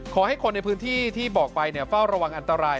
ขอให้คนในพื้นที่ที่บอกไปเฝ้าระวังอันตราย